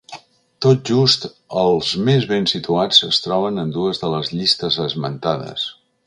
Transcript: Tot just els més ben situats es troben en dues de les llistes esmentades.